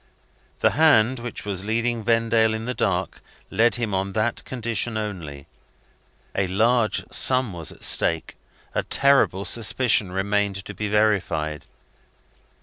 The hand, which was leading Vendale in the dark, led him on that condition only. A large sum was at stake: a terrible suspicion remained to be verified.